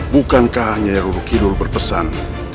bukankah nyai rurukidul berpesan